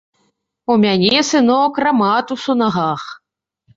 У мяне, сынок, раматус у нагах.